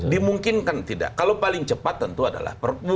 dimungkinkan tidak kalau paling cepat tentu adalah